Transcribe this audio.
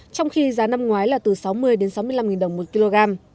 trong khi giá năm ngoái là từ sáu mươi đến sáu mươi năm đồng một kg